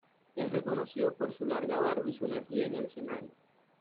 Es reconocido por su larga barba y su energía en el escenario.